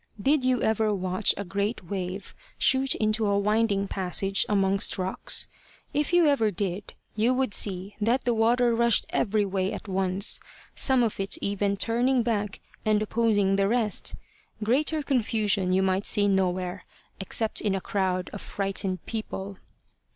Did you ever watch a great wave shoot into a winding passage amongst rocks? If you ever did, you would see that the water rushed every way at once, some of it even turning back and opposing the rest; greater confusion you might see nowhere except in a crowd of frightened people.